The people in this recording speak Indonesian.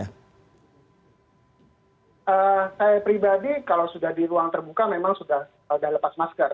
saya pribadi kalau sudah di ruang terbuka memang sudah lepas masker